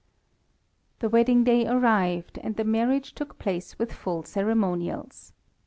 The wedding day arrived, and the marriage took place with full ceremonials.